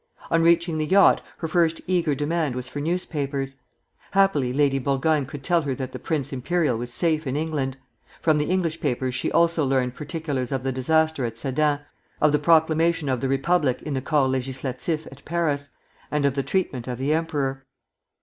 On reaching the yacht, her first eager demand was for newspapers. Happily Lady Burgoyne could tell her that the Prince Imperial was safe in England; from the English papers she also learned particulars of the disaster at Sedan, of the proclamation of the Republic in the Corps Législatif at Paris, and of the treatment of the emperor.